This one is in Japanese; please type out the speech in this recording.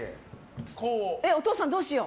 お父さん、どうしよう？